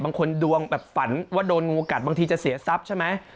ดวงแบบฝันว่าโดนงูกัดบางทีจะเสียทรัพย์ใช่ไหม